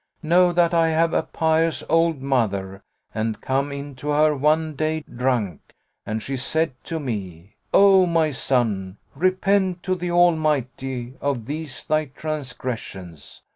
Know that I have a pious old mother and come in to her one day, drunk; and she said to me: O my son, repent to the Almighty of these thy transgressions.'